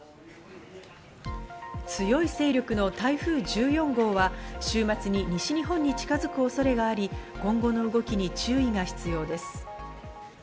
強い勢力の台風１４号は週末に西日本に近づく恐れがあり、今後の動きに注意が必要です。